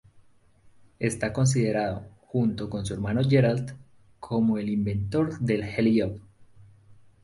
Está considerado, junto con su hermano Gerald, como el inventor del alley-oop.